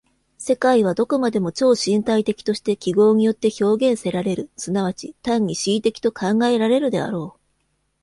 世界はどこまでも超身体的として記号によって表現せられる、即ち単に思惟的と考えられるであろう。